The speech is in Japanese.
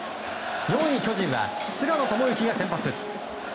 ４位、巨人は菅野智之が先発。